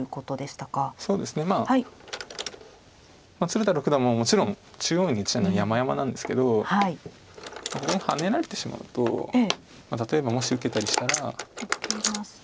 鶴田六段ももちろん中央に打ちたいのはやまやまなんですけどここにハネられてしまうと例えばもし受けたりしたら。